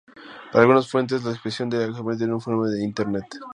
Para algunas fuentes, la expresión se ha convertido en un fenómeno de Internet.